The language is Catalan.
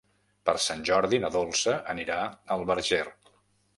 Per Sant Jordi na Dolça anirà al Verger.